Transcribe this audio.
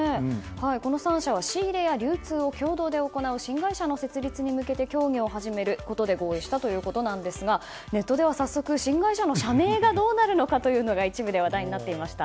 この３社は仕入れや流通を共同で行う新会社の設立に向けて協議を始めることで合意したそうですがネットでは早速新会社の社名がどうなるのか一部で話題になっていました。